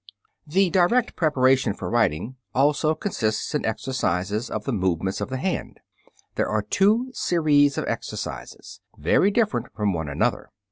The direct preparation for writing also consists in exercises of the movements of the hand. There are two series of exercises, very different from one another.